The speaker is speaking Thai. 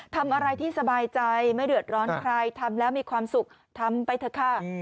ทำอะไรที่สบายใจไม่เดือดร้อนใครทำแล้วมีความสุขทำไปเถอะค่ะ